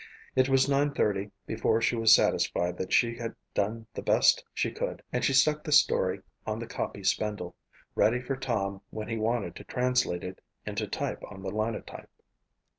It was nine thirty before she was satisfied that she had done the best she could and she stuck the story on the copy spindle, ready for Tom when he wanted to translate it into type on the Linotype.